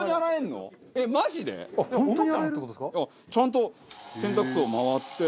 ちゃんと洗濯槽回って。